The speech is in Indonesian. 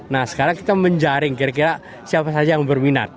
nah sekarang kita menjaring kira kira siapa saja yang berminat